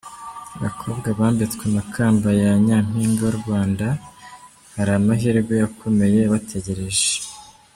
Abakobwa bambitswe amakamba ya Nyampinga w’u Rwanda, hari amahirwe akomeye abategereje.